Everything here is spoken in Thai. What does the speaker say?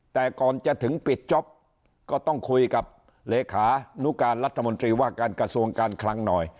แต่ก่อนจะถึงปิดจ๊อปก็ต้องคุยกับเลขานุการรัฐมนตรีว่าการกระทรวงการคลังหน่อย